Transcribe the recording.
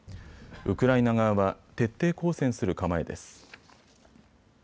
ウクライナ側は徹底抗戦する構えです。